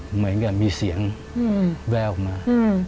เหมือนกับมีเสียงแววออกมา